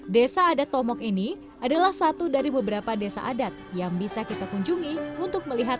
desa adat tomok ini adalah satu dari beberapa desa adat yang bisa kita kunjungi untuk melihat